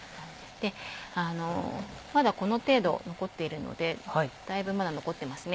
まだこの程度残っているのでだいぶまだ残ってますね。